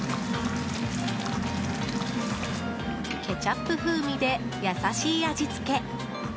ケチャップ風味で優しい味付け。